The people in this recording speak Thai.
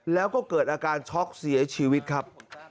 แล้วก็เกิดอาการช็อกเสียชีวิตครับ